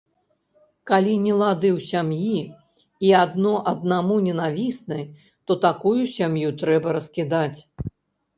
Калі нелады ў сям'і і адно аднаму ненавісны, то такую сям'ю трэба раскідаць.